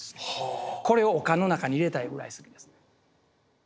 これをお棺の中に入れたいぐらい好きです。